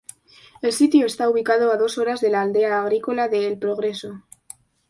El sitio está ubicado a dos horas de la aldea agrícola de El Progreso.